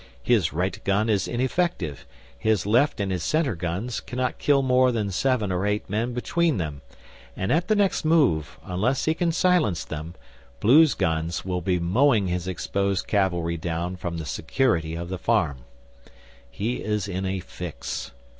His right gun is ineffective, his left and his centre guns cannot kill more than seven or eight men between them; and at the next move, unless he can silence them, Blue's guns will be mowing his exposed cavalry down from the security of the farm. He is in a fix.